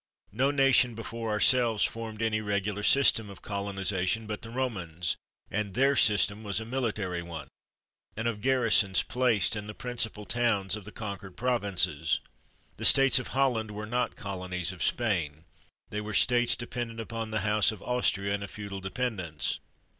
Xo nation before ourselves formed any regular system of colonization but the Romans ; and their system was a military one, and of 233 THE WORLD'S FAMOUS ORATIONS garrisons placed in the principal towns of the conquered provinces. The states of Holland were not colonies of Spain; they were states dependent upon the house of Austria in a feudal dependence.